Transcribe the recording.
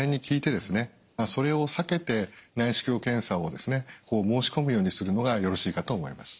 それを避けて内視鏡検査を申し込むようにするのがよろしいかと思います。